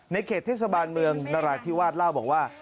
เขตเทศบาลเมืองนราธิวาสเล่าบอกว่า